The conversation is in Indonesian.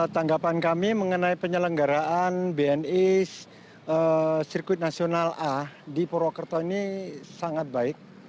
tanggapan kami mengenai penyelenggaraan bni sirkuit nasional a di purwokerto ini sangat baik